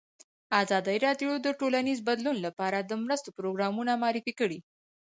ازادي راډیو د ټولنیز بدلون لپاره د مرستو پروګرامونه معرفي کړي.